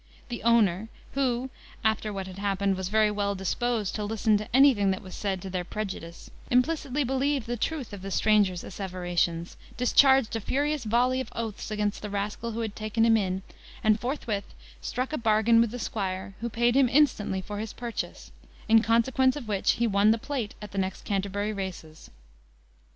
The owner, who, after what had happened, was very well disposed to listen to anything that was said to their prejudice, implicitly believed the truth of the stranger's asseverations, discharged a furious volley of oaths against the rascal who had taken him in, and forthwith struck a bargain with the squire, who paid him instantly for his purchase; in consequence of which he won the plate at the next Canterbury races.